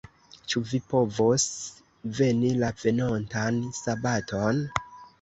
Ĉu vi povos veni la venontan sabaton?